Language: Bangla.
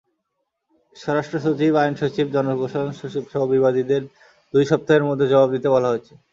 স্বরাষ্ট্রসচিব, আইনসচিব, জনপ্রশাসন সচিবসহ বিবাদীদের দুই সপ্তাহের মধ্যে জবাব দিতে বলা হয়েছে।